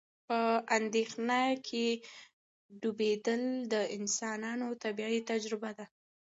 په اندېښنه کې ډوبېدل د انسانانو طبیعي تجربه ده.